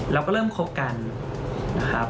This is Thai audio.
เราก็เริ่มคบกันนะครับ